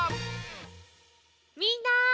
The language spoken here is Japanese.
みんな。